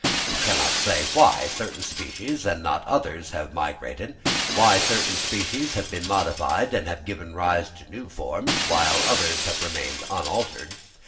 We cannot say why certain species and not others have migrated; why certain species have been modified and have given rise to new forms, while others have remained unaltered.